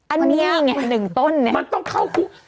อันนี้ไง๑ต้นเนี่ยมันต้องเข้าคุก